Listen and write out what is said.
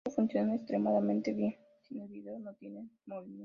Esto funciona extremadamente bien si el video no tiene movimiento.